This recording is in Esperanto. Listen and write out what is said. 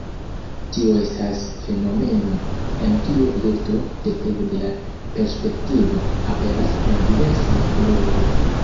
Tio estas fenomeno, en kiu objekto, depende de la perspektivo, aperas en diversaj koloroj.